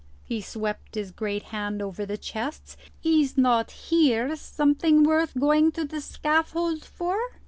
He swept his great hand again over the chests. "Is not here something worth going to the scaffold for?"